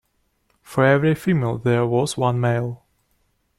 For every female there was one male.